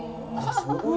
すごい。